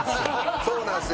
そうなんですよ。